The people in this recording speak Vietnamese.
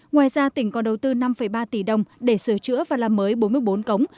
ngoài ra tỉnh còn đầu tư năm ba tỷ đồng để sửa chữa và làm mới bốn mươi bốn cống